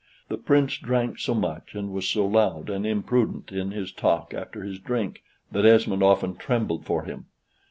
The Prince drank so much, and was so loud and imprudent in his talk after his drink, that Esmond often trembled for him.